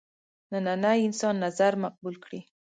ننني انسان نظر مقبول کړي.